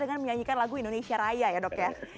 dengan menyanyikan lagu indonesia raya ya dok ya